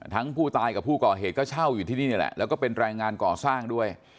ผู้ตายกับผู้ก่อเหตุก็เช่าอยู่ที่นี่นี่แหละแล้วก็เป็นแรงงานก่อสร้างด้วย